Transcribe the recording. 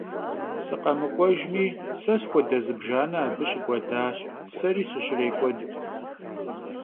Sıkhemık'uejjmi, se sxuede zıbjjane abı şık'uedaş, seri sışrêk'ued.